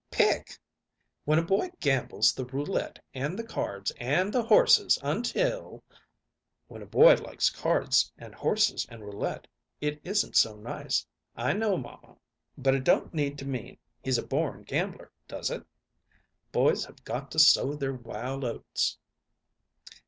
"Pick! When a boy gambles the roulette and the cards and the horses until " "When a boy likes cards and horses and roulette it isn't so nice, I know, mamma; but it don't need to mean he's a born gambler, does it? Boys have got to sow their wild oats."